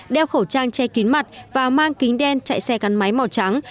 đeo khẩu trang che kín mặt và mang kính đen chạy xe gắn máy màu trắng